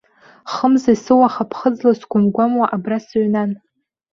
Хымз есыуаха ԥхыӡла сгәамгәамуа абра сыҩнан.